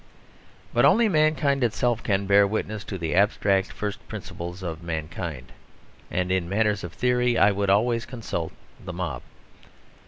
But only mankind itself can bear witness to the abstract first principles of mankind, and in matters of theory I would always consult the mob.